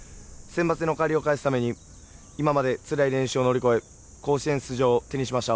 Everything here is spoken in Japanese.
センバツでの借りを返すために今までつらい練習を乗り越え甲子園出場を手にしました。